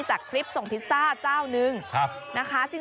จากคลิปส่งพิซซ่าเจ้านึงนะคะ